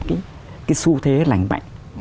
cái su thế lành mạnh